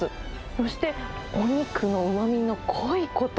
そして、お肉のうまみの濃いこと。